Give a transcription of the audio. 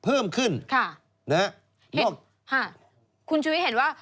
เพิ่มขึ้นนะฮะโลกคุณชุวิตเห็นว่า